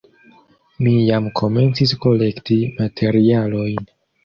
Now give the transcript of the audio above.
Mi jam komencis kolekti materialojn.